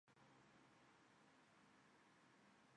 鹿村芝麻蜗牛为芝麻蜗牛科芝麻蜗牛属下的一个种。